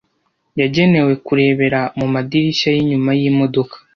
yagenewe kurebera mumadirishya yinyuma yimodoka.